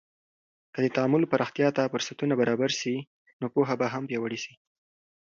که د تعامل پراختیا ته فرصتونه برابر سي، نو پوهه به هم پیاوړې سي.